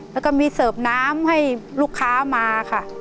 แล้วก็มีเสิร์ฟน้ำให้ลูกค้ามาค่ะ